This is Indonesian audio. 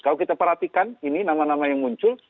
kalau kita perhatikan ini nama nama yang muncul